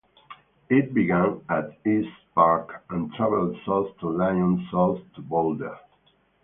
It began at Estes Park and traveled south to Lyons south to Boulder.